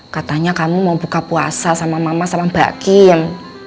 katanya kamu mau buka puasa sama mama sama bakin